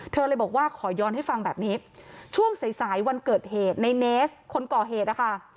เธอเลยบอกว่าขอย้อนให้ฟังแบบนี้ช่วงสายสายวันเกิดเหตุในเนสคนก่อเหตุนะคะ